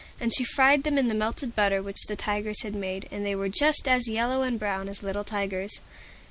And she fried them in the melted butter which the Tigers had made, and they were just as yellow and brown as little Tigers.